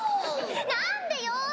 なんでよ！